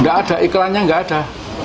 nggak ada iklannya nggak ada